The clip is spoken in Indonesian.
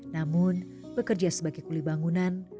namun bekerja sebagai kulibangunan